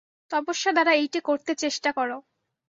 তপস্যা দ্বারা এইটে করতে চেষ্টা কর।